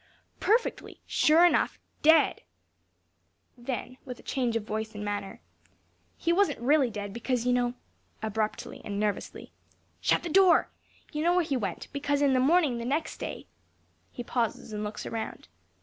_) "Perfectly, sure enough dead!" (Then, with a change of voice and manner), "He wasn't really dead, because you know" (abruptly and nervously) "Shut the door! you know where he went, because in the morning next day" (_He pauses and looks round.